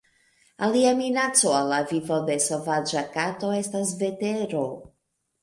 Alia minaco al la vivo de sovaĝa kato estas vetero.